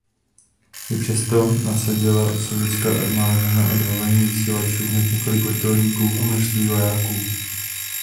I přesto nasadila sovětská armáda na odhalení vysílačů hned několik vrtulníků a množství vojáků.